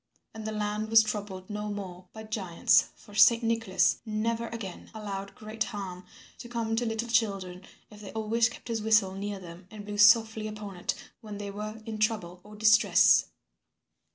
And the land was troubled no more by giants, for Saint Nicholas never again allowed great harm to come to little children if they always kept his whistle near them and blew softly upon it when they were in trouble or distress.